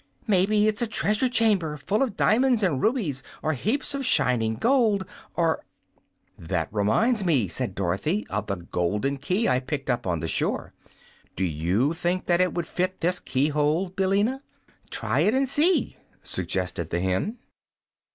"May be it's a treasure chamber full of diamonds and rubies, or heaps of shining gold, or " "That reminds me," said Dorothy, "of the golden key I picked up on the shore. Do you think that it would fit this key hole, Billina?" "Try it and see," suggested the hen.